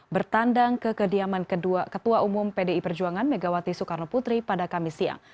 bertandang ke kediaman kedua ketua umum pdi perjuangan megawati soekarno putri pada kamis siang